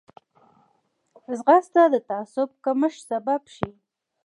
ځغاسته د تعصب کمښت سبب شي